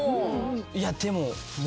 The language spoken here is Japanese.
いやでも。